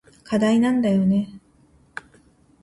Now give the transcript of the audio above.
課題なんだよね。